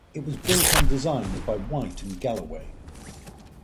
It was built on designs by Whyte and Galloway.